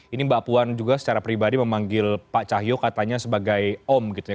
ini mbak puan juga secara pribadi memanggil pak cahyo katanya sebagai om gitu ya